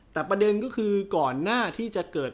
แต่ประเด็นก็คือก่อนหน้าที่จะเกิด